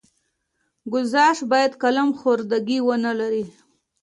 ګزارش باید قلم خوردګي ونه لري.